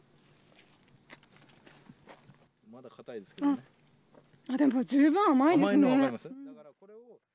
あっ、でも十分甘いですね。